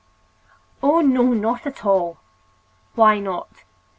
"Oh, no, not at all!" "Why not?"